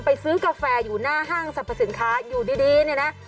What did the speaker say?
ไปซื้อกาแฟอยู่หน้าห้างสรรพสินค้าอยู่ดีเนี่ยนะ